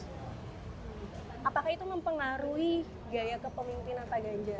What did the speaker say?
apakah itu mempengaruhi gaya kepemimpinan pak ganjar